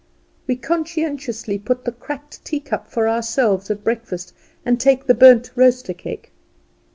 We conscientiously put the cracked teacup for ourselves at breakfast, and take the burnt roaster cake.